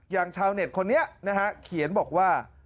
ชาวเน็ตคนนี้นะฮะเขียนบอกว่า